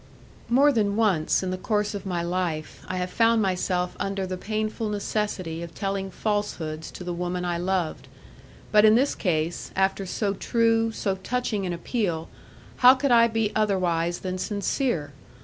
More than once, in the course of my life, I have found myself under the painful necessity of telling falsehoods to the woman I loved; but in this case, after so true, so touching an appeal, how could I be otherwise than sincere?